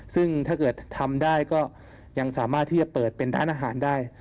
ซึ่งถ้าเกิดทำได้ก็ยังสามารถที่จะเปิดเป็นร้านอาหารได้